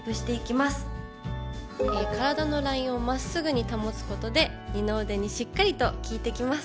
体のラインを真っすぐに保つことで二の腕にしっかりと効いてきます。